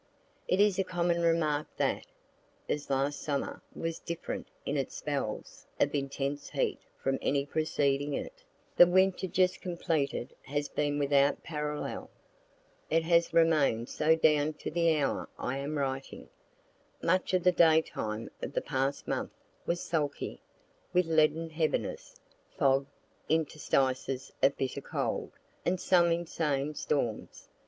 It is a common remark that (as last summer was different in its spells of intense heat from any preceding it,) the winter just completed has been without parallel. It has remain'd so down to the hour I am writing. Much of the daytime of the past month was sulky, with leaden heaviness, fog, interstices of bitter cold, and some insane storms.